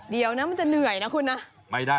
เดี๋ยวนะมันจะเหนื่อยนะคุณนะ